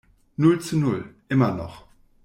Null zu null, immer noch.